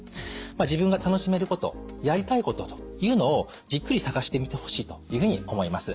自分が楽しめることやりたいことというのをじっくり探してみてほしいというふうに思います。